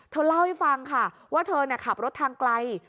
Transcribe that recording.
เธอเล่าให้ฟังค่ะว่าเธอขับรถทางไกล